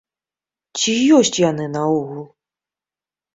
Ці ёсць яны наогул?